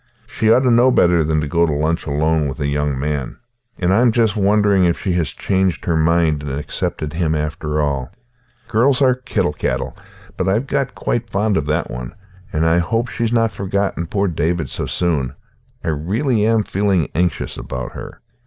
She ought to know better than to go to lunch alone with a young man, and I am just wondering if she has changed her mind and accepted him after all. Girls are kittle cattle, but I've got quite fond of that one, and I hope she's not forgotten poor David so soon. I really am feeling anxious about her."